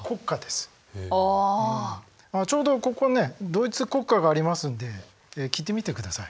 ちょうどここねドイツ国歌がありますんで聴いてみてください。